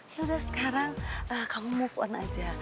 yaudah sekarang kamu move on aja